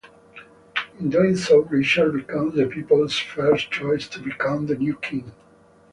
In doing so, Richard becomes the people's first choice to become the new King.